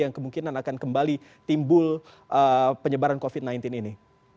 yang kemungkinan akan kembali timbul penyebaran covid sembilan belas ini